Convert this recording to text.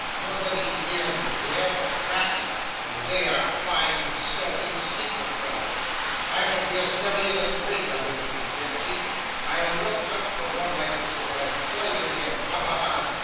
Nobody near me here, but rats, and they are fine stealthy secret fellows. I shall be as merry as a grig among these gentry. I'll look out for one like Christopher, and poison him ha, ha, ha!